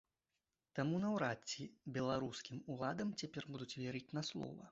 Таму наўрад ці беларускім уладам цяпер будуць верыць на слова.